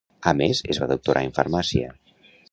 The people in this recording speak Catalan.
A més, es va doctorar en Farmàcia.